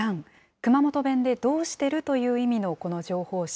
熊本弁で、どうしてる？という意味のこの情報誌。